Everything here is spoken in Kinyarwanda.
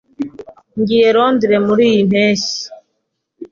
Ngiye i Londres muriyi mpeshyi.